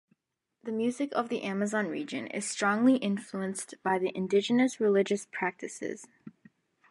The music of the Amazon region is strongly influenced by the indigenous religious practices.